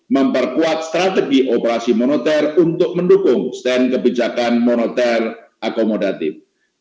memperkuat strategi operasi moneter untuk mendukung stand kebijakan moneter akomodatif